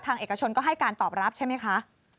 เอกชนก็ให้การตอบรับใช่ไหมคะ